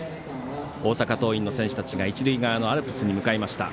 大阪桐蔭の選手たちが一塁側のアルプスに向かいました。